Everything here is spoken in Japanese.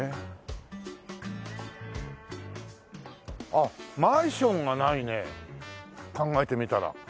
あっマンションがないね考えてみたら。